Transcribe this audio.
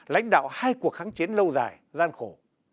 lãnh đạo hai cuộc kháng chiến lâu dài gian khổ